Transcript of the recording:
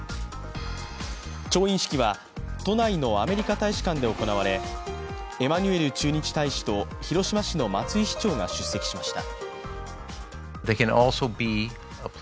調印式は、都内のアメリカ大使館で行われエマニュエル駐日大使と広島市の松井市長が出席しました。